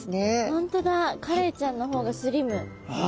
本当だカレイちゃんの方がスリム。